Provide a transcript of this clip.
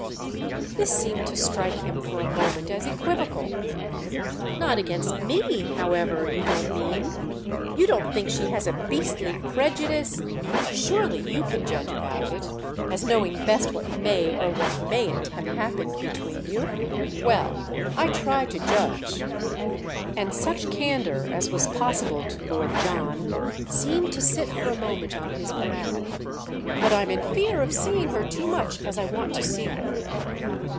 This seemed to strike him for a moment as equivocal. "Not against me, however—you don't mean? You don't think she has a beastly prejudice——?" "Surely you can judge about it; as knowing best what may—or what mayn't—have happened between you." "Well, I try to judge"—and such candour as was possible to Lord John seemed to sit for a moment on his brow. "But I'm in fear of seeing her too much as I want to see her."